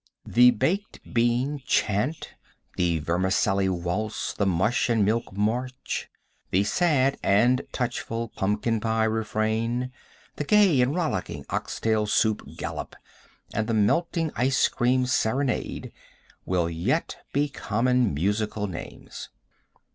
The Baked Bean Chant, the Vermicelli Waltz, the Mush and Milk March, the sad and touchful Pumpkin Pie Refrain, the gay and rollicking Oxtail Soup Gallop, and the melting Ice Cream Serenade will yet be common musical names.